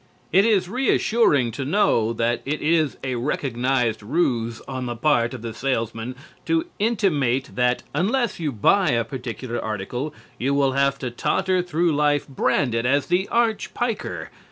It is reassuring to know that it is a recognized ruse on the part of the salesman to intimate that unless you buy a particular article you will have to totter through life branded as the arch piker.